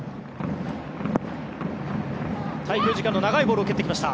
滞空時間の長いボールを蹴ってきました。